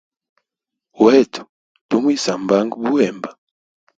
Wetu tumwisambanga buhemba.